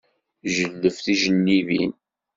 Jelleb tijellibin.